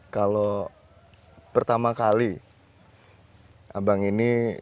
kalau pertama kali abang ini